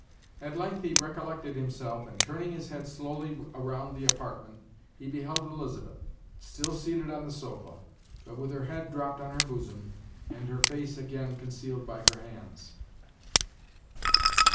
At length he recollected himself, and, turning his head slowly around the apartment, he beheld Elizabeth, still seated on the sofa, but with her head dropped on her bosom, and her face again concealed by her hands.